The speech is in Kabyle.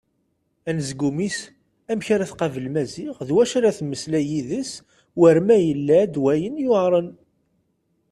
Anezgum-is amek ara tqabel Maziɣ d wacu ara temmeslay yid-s war ma yella-d wayen yuɛren.